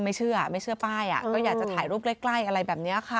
ไม่เชื่อไม่เชื่อป้ายอ่ะก็อยากจะถ่ายรูปใกล้อะไรแบบนี้ค่ะ